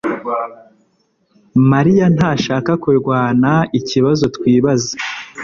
mariya ntashaka kurwana ikibazo twibaza